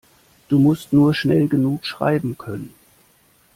Du musst nur schnell genug schreiben können.